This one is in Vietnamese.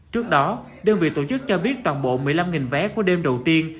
trước đó đơn vị tổ chức cho biết toàn bộ một mươi năm vé của đêm đầu tiên